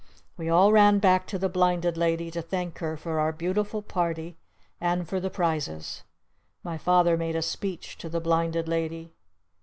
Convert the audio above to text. We all ran back to the Blinded Lady to thank her for our Beautiful Party. And for the prizes. My Father made a speech to the Blinded Lady.